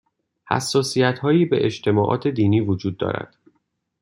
حساسیتهایی به اجتماعات دینی وجود دارد